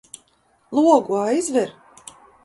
Logu aizver!